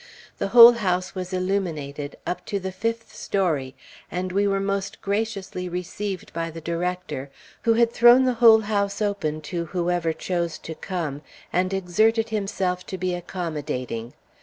The whole house was illuminated, up to the fifth story, and we were most graciously received by the director, who had thrown the whole house open to whoever chose to come, and exerted himself to be accommodating.